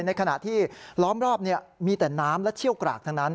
ในขณะที่ล้อมรอบมีแต่น้ำและเชี่ยวกรากทั้งนั้น